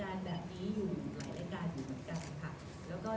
หลายรายการอยู่เหมือนกันค่ะ